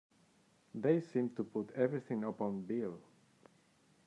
They seem to put everything upon Bill!